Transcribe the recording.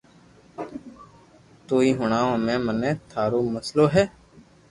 توئي ھڻاو ھمي مني ٿارو مئسلو ھي